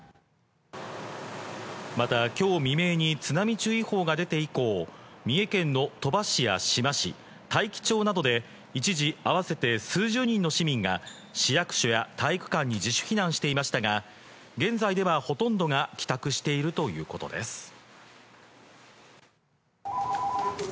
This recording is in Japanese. また今日未明に津波注意報が出て以降、三重県の鳥羽市や志摩市、大紀町などで一時合わせて数十人の市民が市役所や体育館に自主避難していましたが、現在はほとんどが帰宅しているということです。